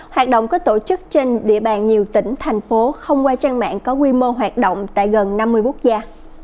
hoạt động có tổ chức trên địa bàn nhiều tỉnh thành phố không qua trang mạng có quy mô hoạt động tại gần năm mươi quốc gia